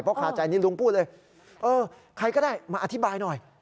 เพราะขาใจนี้ลุงพูดเลยเออใครก็ได้มาอธิบายหน่อย